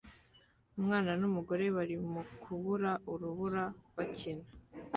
Umwana numugore bari mukubura urubura bakina